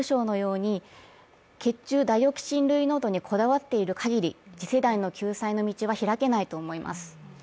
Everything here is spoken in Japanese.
血中ダイオキシン類濃度にこだわっているかぎり次世代の救済の道は開けないと思います。